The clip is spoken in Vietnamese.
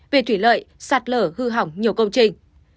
về thủy lợi sạt lở hư hỏng nhiều công trình